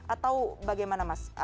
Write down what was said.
atau bagaimana mas